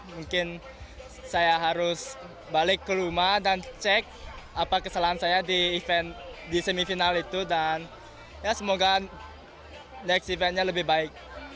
mungkin saya harus balik ke rumah dan cek apa kesalahan saya di semifinal itu dan ya semoga next eventnya lebih baik